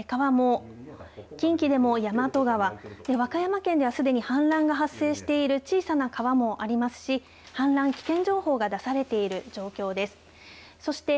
川も近畿でも大和川和歌山県ではすでに氾濫が発生している小さな川もありますし氾濫危険情報が出されている状況です。